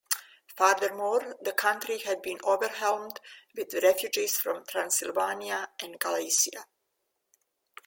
Furthermore, the country had been overwhelmed with refugees from Transylvania and Galicia.